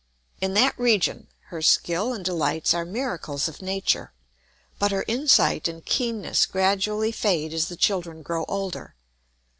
In that region her skill and delights are miracles of nature; but her insight and keenness gradually fade as the children grow older.